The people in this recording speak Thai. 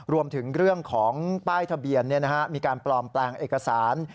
รวมถึงเรื่องของป้ายทะเบียนมีการปลอมแปลงเอกสาร